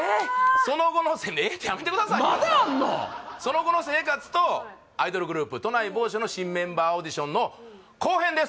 その後のええ！？ってやめてくださいよその後の生活とアイドルグループ都内某所の新メンバーオーディションの後編です